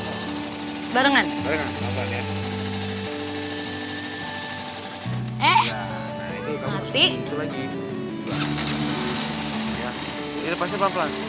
ini lepasnya pelan pelan